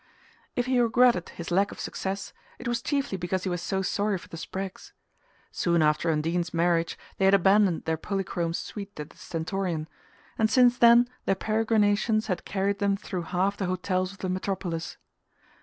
If he regretted his lack of success it was chiefly because he was so sorry for the Spraggs. Soon after Undine's marriage they had abandoned their polychrome suite at the Stentorian, and since then their peregrinations had carried them through half the hotels of the metropolis.